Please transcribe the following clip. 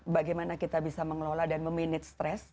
bagaimana kita bisa mengelola dan memanage stres